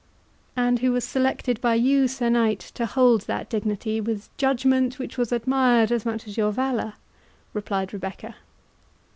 "And who was selected by you, Sir Knight, to hold that dignity, with judgment which was admired as much as your valour," replied Rebecca.